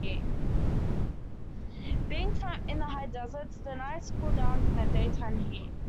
Being in the high desert, the nights cool down from the daytime heat.